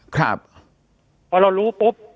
พอเรารู้ปุ๊บ